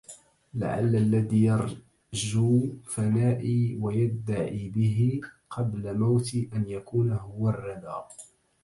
لعل الذي يرجـو فنـائي ويدّعي... به قبل موتـي أن يكون هو الردى